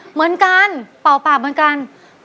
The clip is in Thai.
เหมือนกันเป่าปากเหมือนกัน